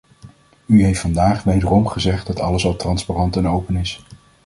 U heeft vandaag wederom gezegd dat alles al transparant en open is.